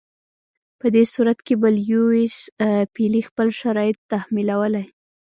په دې صورت کې به لیویس پیلي خپل شرایط تحمیلولای.